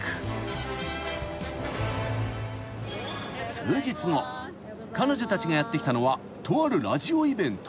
［数日後彼女たちがやって来たのはとあるラジオイベント］